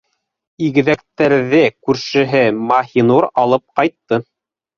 Игеҙәктәрҙе күршеһе Маһинур алып ҡайтты.